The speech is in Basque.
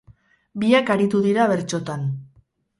Biak aritu dira bertsotan.